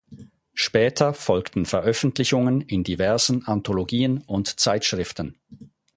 Später folgten Veröffentlichungen in diversen Anthologien und Zeitschriften.